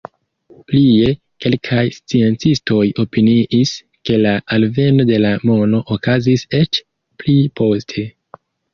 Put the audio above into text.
Plie, kelkaj sciencistoj opiniis, ke la alveno de la mono okazis eĉ pli poste.